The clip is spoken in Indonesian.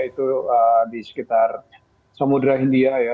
itu di sekitar samudera india ya